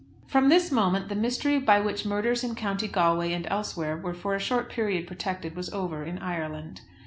From this moment the mystery by which murders in County Galway and elsewhere were for a short period protected was over in Ireland.